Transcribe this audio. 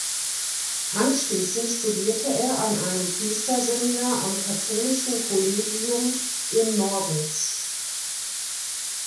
Anschließend studierte er an einem Priesterseminar am Katholischen Kollegium in Morgens.